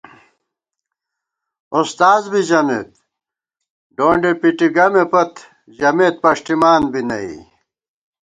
اُستاذ بی ژَمېت ڈونڈے پِٹی گمےپت ژمېت پݭٹِمان بی نئ